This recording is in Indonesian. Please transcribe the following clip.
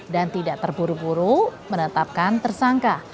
dan tidak terburu buru menetapkan tersangka